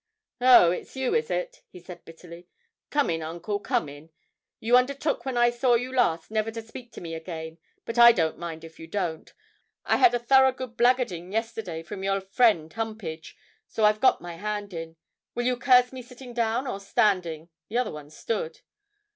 'Oh, it's you, is it?' he said bitterly. 'Come in, Uncle, come in. You undertook when I saw you last never to speak to me again, but I don't mind if you don't. I had a thorough good blackguarding yesterday from your friend Humpage, so I've got my hand in. Will you curse me sitting down or standing? The other one stood!'